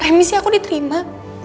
remisi aku diterima